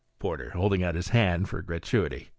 Porter (Holding out his hand for a gratuity).